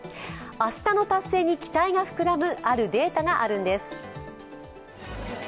明日の達成に期待がふくらむあるデータがあるんです。